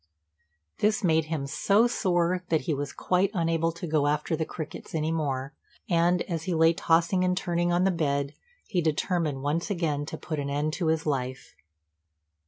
This made him so sore that he was quite unable to go after the crickets any more, and, as he lay tossing and turning on the bed, he determined once again to put an end to his life.